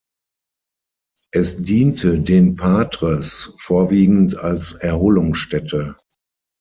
Es diente den Patres vorwiegend als Erholungsstätte.